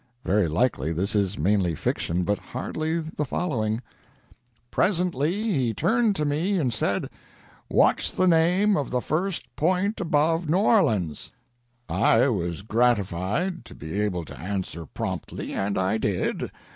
Very likely this is mainly fiction, but hardly the following: Presently he turned to me and said: "What's the name of the first point above New Orleans?" I was gratified to be able to answer promptly, and I did.